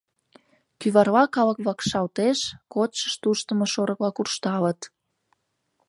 Кӱварла калык вакшалтеш, кодшышт ушдымо шорыкла куржталыт.